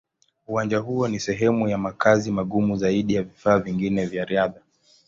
Uwanja huo ni sehemu ya makazi magumu zaidi ya vifaa vingine vya riadha.